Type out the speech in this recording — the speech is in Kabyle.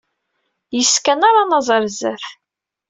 Yes-s kan ara naẓ ɣer sdat.